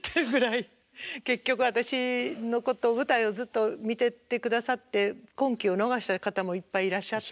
結局私のこと舞台をずっと見ててくださって婚期を逃した方もいっぱいいらっしゃって。